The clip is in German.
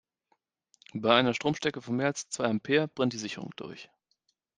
Bei einer Stromstärke von mehr als zwei Ampere brennt die Sicherung durch.